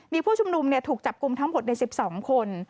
มีผู้ชุมนุมถูกจับกลุ่มทั้งหมดใน๑๒คน